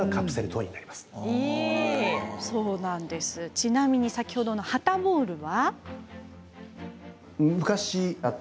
ちなみに先ほどのハタボウルは。